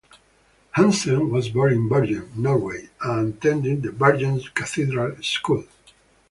Hansen was born in Bergen, Norway and attended the Bergen Cathedral School.